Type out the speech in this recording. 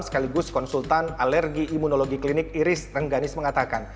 sekaligus konsultan alergi imunologi klinik iris rengganis mengatakan